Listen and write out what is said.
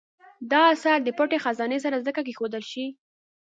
دا اثر د پټې خزانې سره ځکه کېښودل شي.